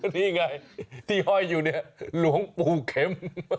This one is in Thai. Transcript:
นี่ไงที่ห้อยอยู่เนี่ยหลวงปู่เข็ม